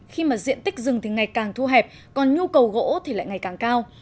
khi mà diện tích rừng thì ngày càng thu hẹp còn nhu cầu gỗ thì lại ngày càng cao